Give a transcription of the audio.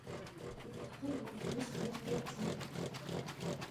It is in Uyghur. دۇنياغا يۈزلىنىش دېگەن بەك چوڭ گەپ!